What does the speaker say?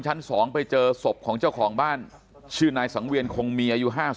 ชั้น๒ไปเจอศพของเจ้าของบ้านชื่อนายสังเวียนคงมีอายุ๕๐